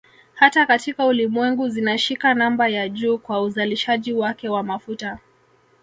Hata katika Ulimwengu zinashika namba ya juu kwa uzalishaji wake wa mafuta